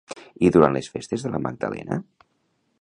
I durant les festes de la Magdalena?